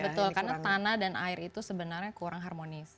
betul karena tanah dan air itu sebenarnya kurang harmonis